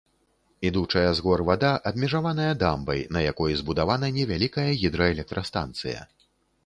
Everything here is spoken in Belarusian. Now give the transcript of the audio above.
Ідучая з гор вада абмежаваная дамбай, на якой збудавана невялікая гідраэлектрастанцыя.